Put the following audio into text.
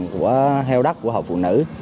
của heo đắc của học phụ nữ